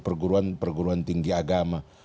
perguruan perguruan tinggi agama